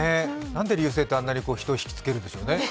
なんで流星ってあんなに人を引きつけるんでしょうね。